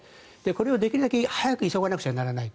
これをできるだけ早く急がないといけない。